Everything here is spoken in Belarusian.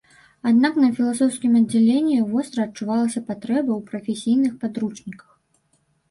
Аднак на філасофскім аддзяленні востра адчувалася патрэба ў прафесійных падручніках.